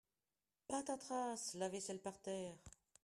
Patatras ! La vaisselle par terre !